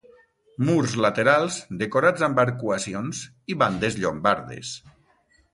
Murs laterals decorats amb arcuacions i bandes llombardes.